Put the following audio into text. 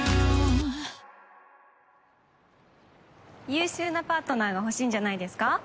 優秀なパートナーが欲しいんじゃないですか？